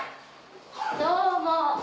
どうも。